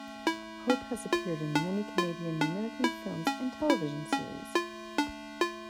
Hope has appeared in many Canadian and American films and television series.